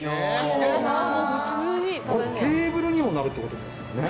これテーブルにもなるってことですもんね。